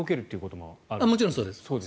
もちろんそうです。